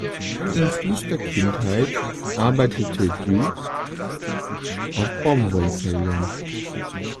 Schon in frühester Kindheit arbeitete Duke auf Baumwollfeldern.